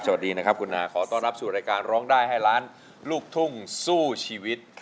สวัสดีนะครับคุณนาขอต้อนรับสู่รายการร้องได้ให้ล้านลูกทุ่งสู้ชีวิต